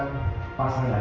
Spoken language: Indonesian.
untuk membuatnya lebih baik